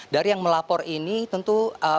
dari yang melapor ini tentu